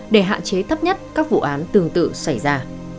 để hạn chế thấp nhất các vụ án tương tự xảy ra